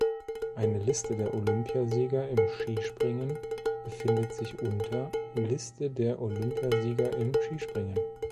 Eine Liste der Olympiasieger im Skispringen befindet sich unter: Liste der Olympiasieger im Skispringen.